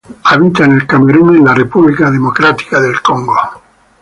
Habita en Camerún y República Democrática del Congo.